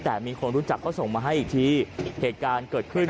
แต่มีคนรู้จักก็ส่งมาให้อีกทีเหตุการณ์เกิดขึ้น